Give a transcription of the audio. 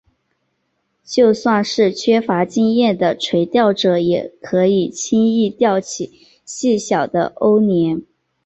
就算是缺乏经验的垂钓者也可以轻易钓起细小的欧鲢。